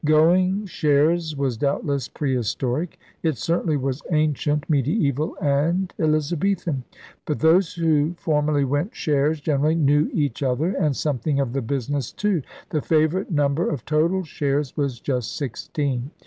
* Going shares' was doubtless prehistoric. It certainly was ancient, mediaeval, and Elizabethan. But those who formerly went shares generally knew each other and something of the business too. The favorite number of total shares was just sixteen.